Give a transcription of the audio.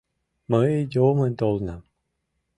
Мый йомын толынам.